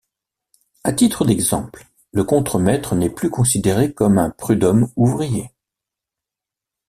A titre d'exemple, le contremaître n'est plus considéré comme un prud'homme ouvrier.